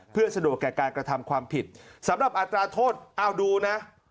เพื่อสะดวกแก่การกระทำความผิดสำหรับอัตราโทษเอาดูนะ